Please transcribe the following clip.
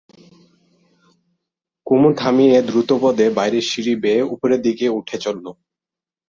কুমু থামিয়ে দ্রুতপদে বাইরের সিঁড়ি বেয়ে উপরের দিকে উঠে চলল।